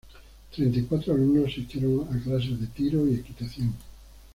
Treinta y cuatro alumnos asistieron a clases de tiro y equitación.